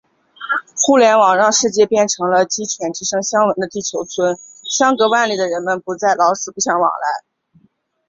互联网让世界变成了“鸡犬之声相闻”的地球村，相隔万里的人们不再“老死不相往来”。